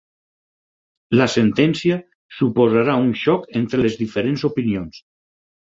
La sentència suposarà un xoc entre les diferents opinions.